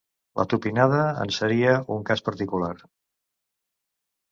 La tupinada en seria un cas particular.